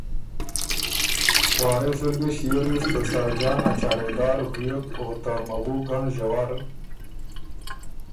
وارث ال ګۀ ݭيې ریوز ته ساجان ا چارېدار وریوک او ته موُو ګنړ ݫوَر